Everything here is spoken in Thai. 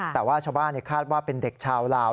แต่ว่าชาวบ้านคาดว่าเป็นเด็กชาวลาว